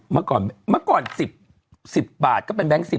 มันก่อน๑๐บาทก็เป็นแบงค์๑๐